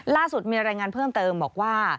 ล่าสุดมีรายงานเพิ่มเติมบอกว่า